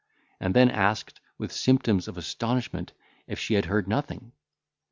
and then asked, with symptoms of astonishment, if she had heard nothing.